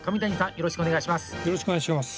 よろしくお願いします。